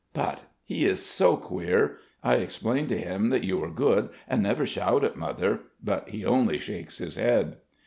But he is so queer! I explain to him that you are good and never shout at Mother, but he only shakes his head."